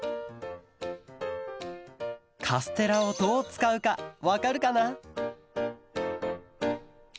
カステラをどうつかうかわかるかな？